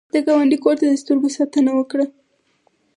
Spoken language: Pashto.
د ګاونډي کور ته د سترګو ساتنه وکړه